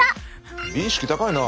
美意識高いなあ。